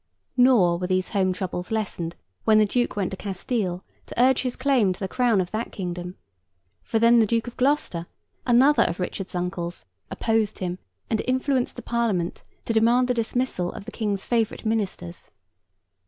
Nor were these home troubles lessened when the duke went to Castile to urge his claim to the crown of that kingdom; for then the Duke of Gloucester, another of Richard's uncles, opposed him, and influenced the Parliament to demand the dismissal of the King's favourite ministers.